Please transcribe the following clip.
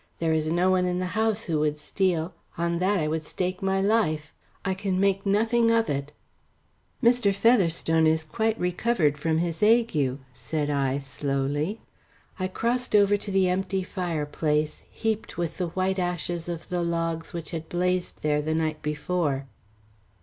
There is no one in the house who would steal; on that I would stake my life. I can make nothing of it." "Mr. Featherstone is quite recovered from his ague," said I slowly. I crossed over to the empty fireplace heaped with the white ashes of the logs which had blazed there the night before.